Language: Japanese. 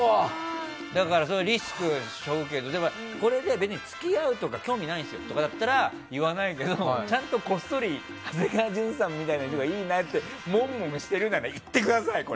だからリスクを背負うけどこれで付き合うとか興味ないっていうんなら言わないけど、ちゃんとこっそり長谷川潤さんみたいな人がいいなってモゴモゴしてるならいってください。